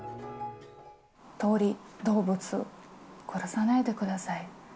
鳥、動物を殺さないでください。